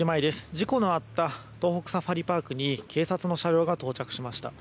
事故のあった東北サファリパークに警察の車両が到着しました。